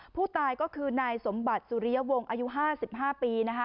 ผู้ตายก็คือนายสมบัติสุริยวงศ์อายุ๕๕ปี